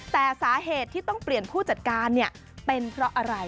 แต่สาเหตุที่ต้องเปลี่ยนผู้จัดการเนี่ยเป็นเพราะอะไร